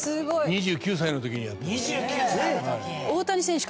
２９歳の時にやってます。